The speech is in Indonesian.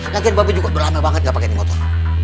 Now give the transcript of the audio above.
lagian babi juga berlama banget gak pakai motor